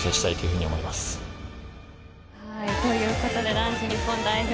男子日本代表